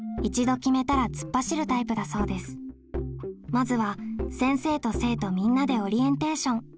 まずは先生と生徒みんなでオリエンテーション。